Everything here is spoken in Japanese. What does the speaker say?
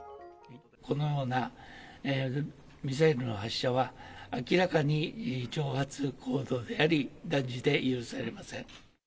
このようなミサイルの発射は、明らかに挑発行動であり、断じて許されません。